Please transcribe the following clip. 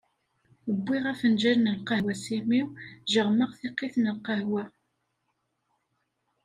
Uwiɣ afenǧal n lqahwa s imi-w, jeɣmeɣ tiqqit n lqahwa.